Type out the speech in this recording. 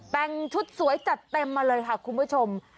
แต่งชุดสวยจัดเต็มมาเลยค่ะคุณผู้ชม